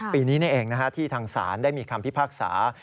ปีนี้นี่เองที่ทางศาลได้มีคำพิพากษา